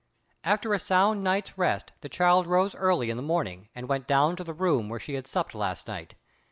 After a sound night's rest the child rose early in the morning and went down to the room where she had supped last night.